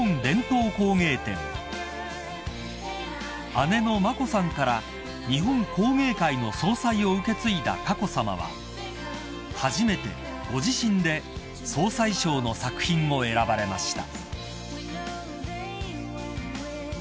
［姉の眞子さんから日本工芸会の総裁を受け継いだ佳子さまは初めてご自身で総裁賞の作品を選ばれました］